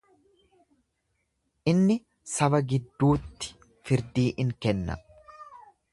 Inni saba gidduutti firdii in kenna.